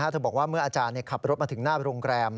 เธอบอกว่าเมื่ออาจารย์ขับรถมาถึงหน้าโรงแรม